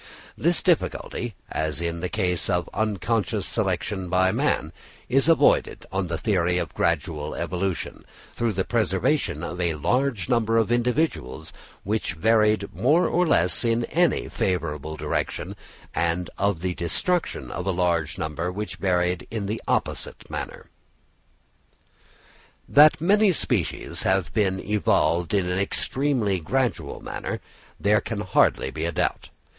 This difficulty, as in the case of unconscious selection by man, is avoided on the theory of gradual evolution, through the preservation of a large number of individuals, which varied more or less in any favourable direction, and of the destruction of a large number which varied in an opposite manner. That many species have been evolved in an extremely gradual manner, there can hardly be a doubt.